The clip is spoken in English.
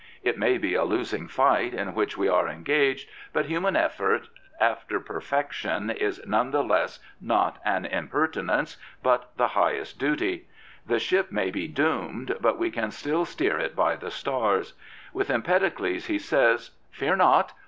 It may be a losing fight in which we are engaged; but human effort after perfection is none the less not an impertinence but the highest duty. The ship may be doomed, but we can still steer it by the stars. With Empedocles he says: Fear not!